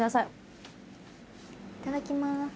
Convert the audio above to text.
いただきます。